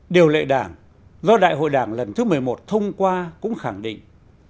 điều lệ đảng do đại hội đảng lần thứ một mươi một thông qua cũng khẳng định